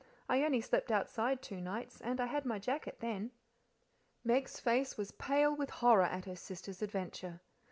I only slept outside two nights, and I had my jacket then." Meg's face was pale with horror at her sister's adventure.